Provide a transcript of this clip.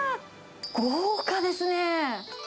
豪華ですね。